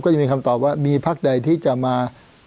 ก็ยังมีคำตอบว่ามีพักใดที่จะมา